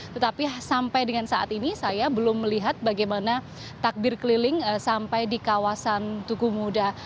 tetapi sampai dengan saat ini saya belum melihat bagaimana takbir keliling sampai di kawasan tugu muda